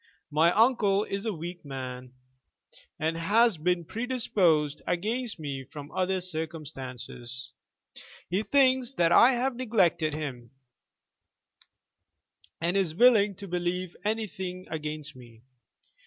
My uncle is a weak man, and has been predisposed against me from other circumstances. He thinks that I have neglected him, and is willing to believe anything against me.